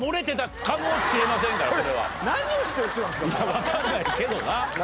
わかんないけどな。